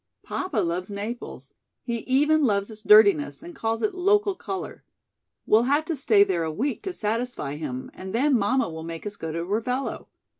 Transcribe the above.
Papa loves Naples. He even loves its dirtiness and calls it 'local color.' We'll have to stay there a week to satisfy him, and then mamma will make us go to Ravello.